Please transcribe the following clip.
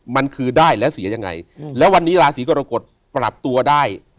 มันคือได้แล้วเสียยังไงแล้ววันนี้ราศีกรกฎปรับตัวได้